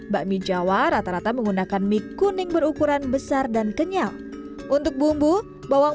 bakmi jawa rata rata menggunakan mie kuning berukuran besar dan kenyal untuk bumbu bawang